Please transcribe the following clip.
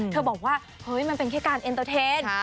บอกว่าเฮ้ยมันเป็นแค่การเอ็นเตอร์เทน